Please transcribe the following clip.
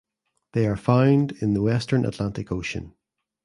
They are found in the Western Atlantic Ocean.